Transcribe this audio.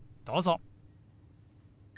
どうぞ。